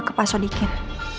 sama ke pak sodikin